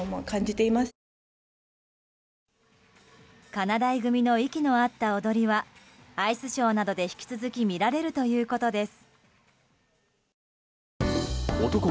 かなだい組の息の合った踊りはアイスショーなどで引き続き見られるということです。